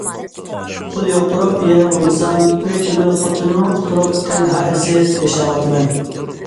پۇل يوق تۇرۇپ، يەنە ئوينىسام، ئۆي تۈگۈل خوتۇننىمۇ ئۇتتۇرۇپ« تەنھا ئېسىل» ياشاۋاتىمەن.